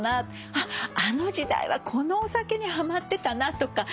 あの時代はこのお酒にハマってたなとか。